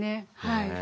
はい。